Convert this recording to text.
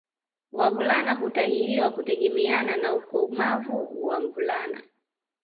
Wavulana hutahiriwa kutegemeana na ukomavu wa mvulana